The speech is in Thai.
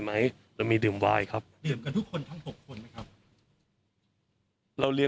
ไหมเรามีดื่มวายครับดื่มกันทุกคนทั้ง๖คนไหมครับเราเรียน